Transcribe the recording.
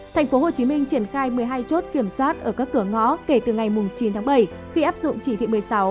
tp hcm triển khai một mươi hai chốt kiểm soát ở các cửa ngõ kể từ ngày chín tháng bảy khi áp dụng chỉ thị một mươi sáu